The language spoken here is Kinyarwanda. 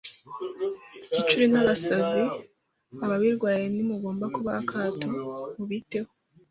Igicuri na baszazi aba birwaye nti mugomba kubaha akato mubiteho